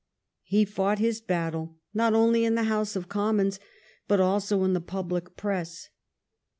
He fought his battle not only in the House of Commons, but also in the public press.